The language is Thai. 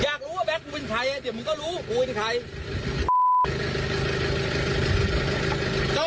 อยากรู้ว่าแก๊กกูเป็นใครเดี๋ยวมึงก็รู้กูเป็นใคร